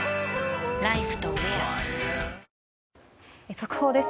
速報です。